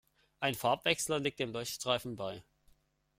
Ein Farbwechsler liegt dem Leuchtstreifen bei.